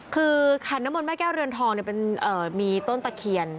คือคันนมลแม่แก้วเหลือนทองมีต้นตะเขียน